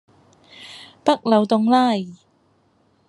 北漏洞拉